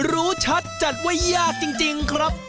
รู้ชัดจัดว่ายากจริงครับ